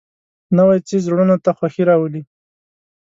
نوی څېز زړونو ته خوښي راولي